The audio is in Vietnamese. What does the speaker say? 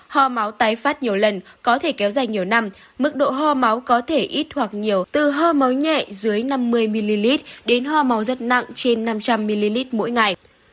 ho máu tái phát nhiều lần có thể kéo dài nhiều năm mức độ ho máu có thể ít hoặc nhiều từ ho máu nhẹ dưới năm mươi ml đến hoa màu rất nặng trên năm trăm linh ml mỗi ngày